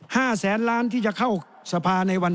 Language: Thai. แสนล้านที่จะเข้าสภาในวัน